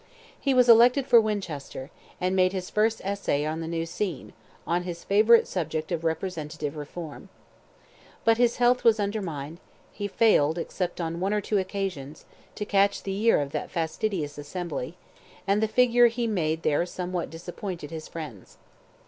He was elected for Winchester, and made his first essay on the new scene, on his favourite subject of representative reform. But his health was undermined; he failed, except on one or two occasions, to catch the ear of that fastidious assembly, and the figure he made there somewhat disappointed his friends.